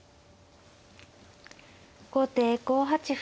後手５八歩。